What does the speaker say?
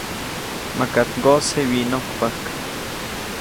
-Makaʼt ŋgoʼsje wyinojkpajk.-